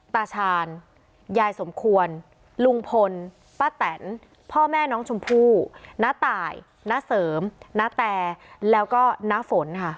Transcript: ตาชาญยายสมควรลุงพลป้าแตนพ่อแม่น้องชมพู่ณตายณเสริมณแต่แล้วก็น้าฝนค่ะ